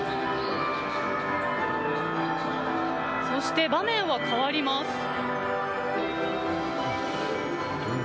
そして、場面は変わります。